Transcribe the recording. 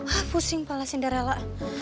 ah pusing kepala cinderella